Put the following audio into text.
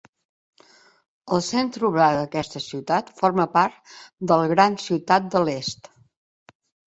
El centre urbà d'aquesta ciutat forma part del Gran Ciutat de l'Est.